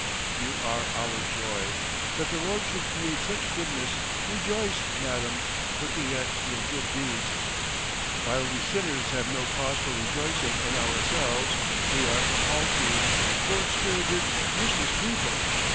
"You are our joy! That the Lord should create such goodness! Rejoice, Madam, looking at your good deeds! ... While we sinners have no cause for rejoicing in ourselves. ... We are paltry, poor spirited, useless people